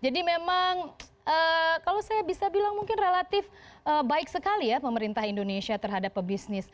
jadi memang kalau saya bisa bilang mungkin relatif baik sekali ya pemerintah indonesia terhadap pebisnis